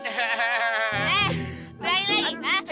eh berani lagi